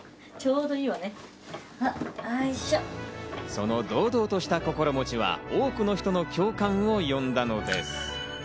その堂々とした心持ちは多くの人の共感を呼んだのです。